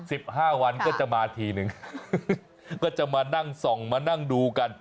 สิบห้าวันก็จะมาทีนึงก็จะมานั่งส่องมานั่งดูกัน